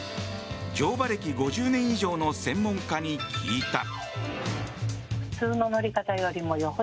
乗馬歴５０年以上の専門家に聞いた。